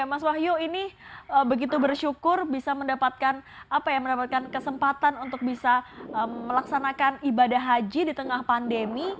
mas wahyu ini begitu bersyukur bisa mendapatkan kesempatan untuk bisa melaksanakan ibadah haji di tengah pandemi